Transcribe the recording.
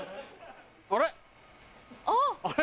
あれ？